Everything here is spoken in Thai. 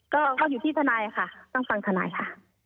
ก็อยู่ที่ทนายค่ะต้องฟังทนายค่ะ